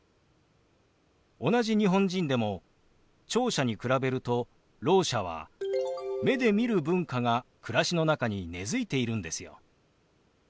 同じ日本人でも聴者に比べるとろう者は目で見る文化が暮らしの中に根づいているんですよ。